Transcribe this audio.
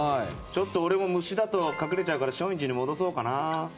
俺も虫だと隠れちゃうから松陰寺に戻そうかな。